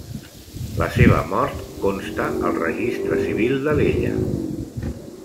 La seva mort consta al registre civil d'Alella.